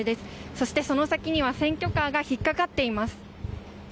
そして、その先には選挙カーが引っかかっています。